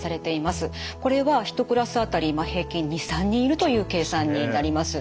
これは１クラス当たり平均２３人いるという計算になります。